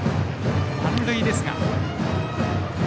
満塁です。